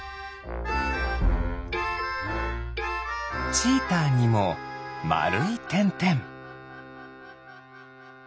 チーターにもまるいてんてん。